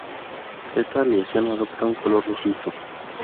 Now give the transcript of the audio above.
Esta aleación adopta un color rojizo.